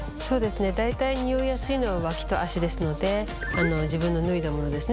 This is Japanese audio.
大体ニオイやすいのは脇と足ですので自分の脱いだものですね